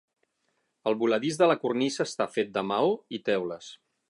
El voladís de la cornisa està fet de maó i teules.